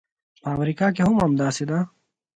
په امریکا کې هم همداسې ده.